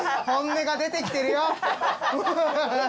本音が出てきてるよ。